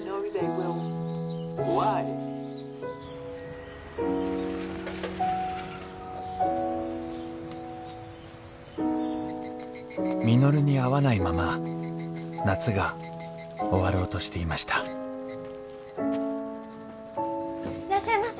「Ｗｈｙ？」．稔に会わないまま夏が終わろうとしていましたいらっしゃいませ。